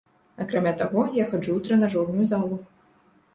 Акрамя таго, я хаджу ў трэнажорную залу.